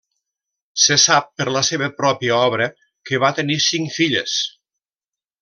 Se sap per la seva pròpia obra que va tenir cinc filles.